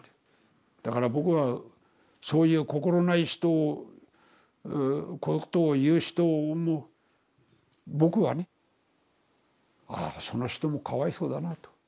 だから僕はそういう心ない人をことを言う人も僕はね「ああその人もかわいそうだな」と。